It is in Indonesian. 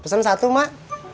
pesan satu mak